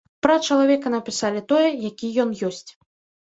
Пра чалавека напісалі тое, які ён ёсць.